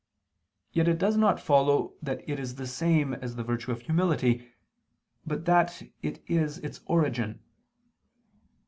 Yet it does not follow that it is the same as the virtue of humility, but that it is its origin.